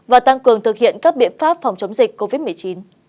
và tăng cường thực hiện các biện pháp phòng chống dịch covid một mươi chín